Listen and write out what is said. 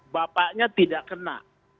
bapaknya tidak kena